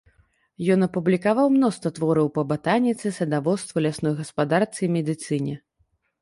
Ён апублікаваў мноства твораў па батаніцы, садаводству, лясной гаспадарцы і медыцыне.